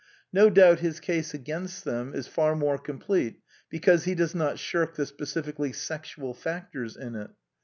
No doubt his case against them is far more com plete, because he does not shiric the specifically sexual factors in it.